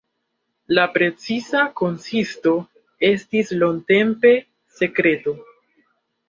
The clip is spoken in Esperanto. La preciza konsisto estis longtempe sekreto.